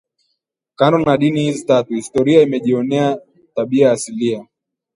Kando na dini hizi tatu historia imejionea tiba asilia